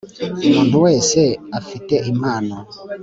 umuntu wese afite impano.